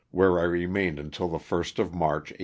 where I remained until the first of March, 1865.